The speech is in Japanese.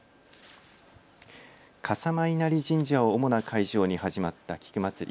笠間稲荷神社を主な会場に始まった菊まつり。